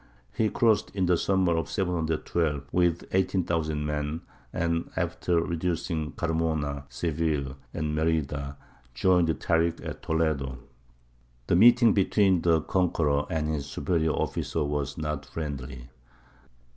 He crossed in the summer of 712 with eighteen thousand men, and, after reducing Carmona, Seville, and Merida, joined Tārik at Toledo. The meeting between the conqueror and his superior officer was not friendly.